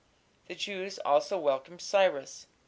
The Jews also welcomed Cyrus.